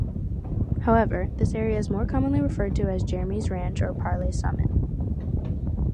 However, this area is more commonly referred to as Jeremy Ranch or Parley's Summit.